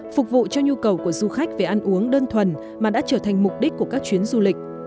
phục vụ cho nhu cầu của du khách về ăn uống đơn thuần mà đã trở thành mục đích của các chuyến du lịch